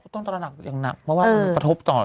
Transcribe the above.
ต้องตรนับอย่างหนักเพราะว่าประทบต่อ